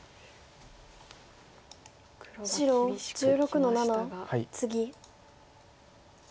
黒が厳しくきましたが。